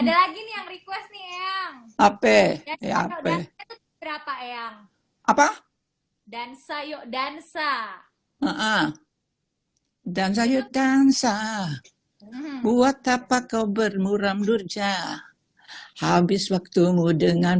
dan sayur dansa dan sayur dansa buat apa kau bermuram durja habis waktumu dengan